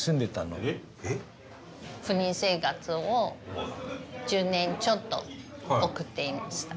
赴任生活を１０年ちょっと送っていました。